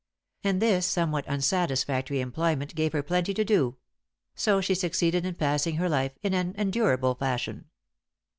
And this somewhat unsatisfactory employment gave her plenty to do; so she succeeded in passing her life in an endurable fashion.